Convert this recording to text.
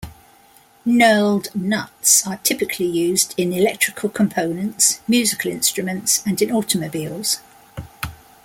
Knurled nuts are typically used in electrical components, musical instruments and in automobiles.